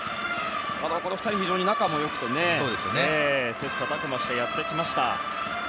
この２人は仲も良くて切磋琢磨してやってきました。